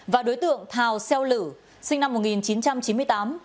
và đối tượng thào xeo lử sinh năm một nghìn chín trăm chín mươi tám